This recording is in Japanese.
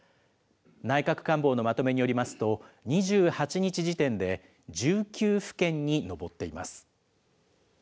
内閣官房のまとめによりますと、２８日時点で１９府県に上っています。